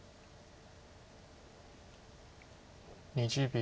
２０秒。